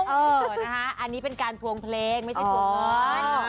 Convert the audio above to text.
เออนะคะอันนี้เป็นการทวงเพลงไม่ใช่ทวงเงิน